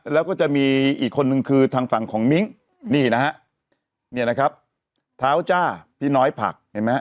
แล้วก็จะมีอีกคนนึงคือทางฝั่งของมิ้งนี่นะฮะเนี่ยนะครับเท้าจ้าพี่น้อยผักเห็นไหมฮะ